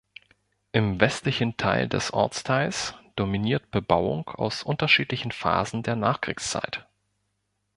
Im westlichen Teil des Ortsteils dominiert Bebauung aus unterschiedlichen Phasen der Nachkriegszeit.